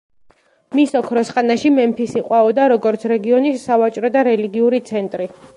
მის ოქროს ხანაში, მემფისი ყვაოდა როგორც რეგიონის სავაჭრო და რელიგიური ცენტრი.